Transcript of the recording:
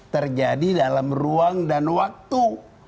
terjadi dalam ruang dan waktu